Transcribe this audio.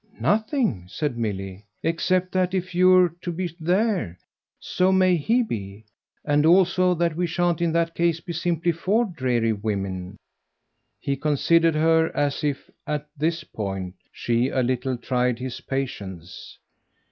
"Nothing," said Milly, "except that if you're to be there, so may he be. And also that we shan't in that case be simply four dreary women." He considered her as if at this point she a little tried his patience.